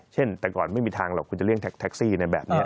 แต่ก่อนไม่มีทางหรอกคุณจะเลี่ยแท็กซี่ในแบบนี้